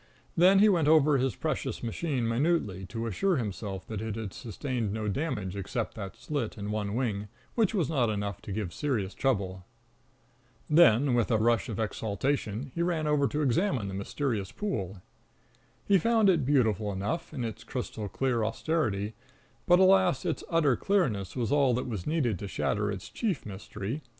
Then he went over his precious machine minutely, to assure himself that it had sustained no damage except that slit in one wing, which was not enough to give serious trouble. Then, with a rush of exultation, he ran over to examine the mysterious pool. He found it beautiful enough, in its crystal clear austerity; but, alas, its utter clearness was all that was needed to shatter its chief mystery.